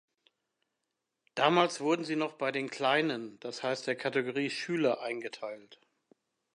Damals wurden sie noch bei den „Kleinen“, das heisst der Kategorie „Schüler“ eingeteilt.